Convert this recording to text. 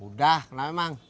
udah kenapa bang